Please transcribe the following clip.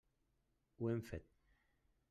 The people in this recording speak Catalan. Ho hem fet.